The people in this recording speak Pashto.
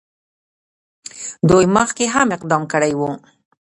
دوی مخکې هم اقدام کړی وو.